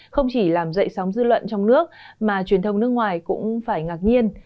không chỉ làm dậy sóng dư luận trong nước mà truyền thông nước ngoài cũng phải ngạc nhiên